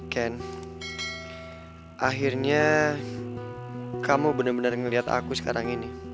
ken akhirnya kamu bener bener ngeliat aku sekarang ini